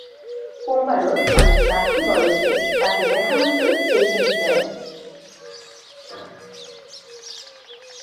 পোম্বারোর অনেক সাক্ষি বলে যে, তাকে দেখামাত্রই সে শিস দেয়।